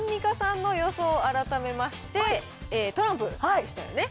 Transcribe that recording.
そしてアンミカさんの予想、改めまして、トランプでしたよね？